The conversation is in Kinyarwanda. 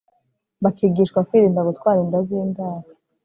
bakigishwa kwirinda gutwara inda z'indaro